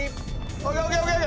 ＯＫＯＫＯＫ！